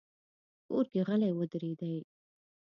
کور کې غلې ودرېدې.